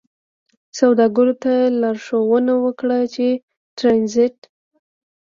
سوداګرو ته لارښوونه وکړه چې ترانزیت